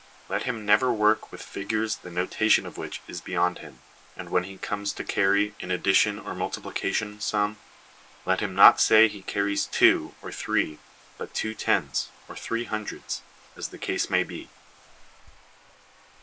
Let him never work with figures the notation of which is beyond him, and when he comes to ' carry ' in an addition or multi plication sum, let him not say he carries 'two/ or ' three,' but ' two tens,' or * three hundreds,' as the case may be.